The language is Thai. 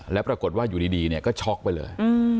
แล้วปรากฏว่าอยู่ดีเนี่ยก็ช็อกไปเลย